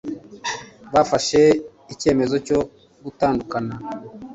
Bafashe icyemezo cyo gutandukana.